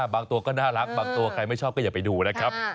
บางตัวก็น่ารักบางตัวใครไม่ชอบก็อย่าไปดูนะครับ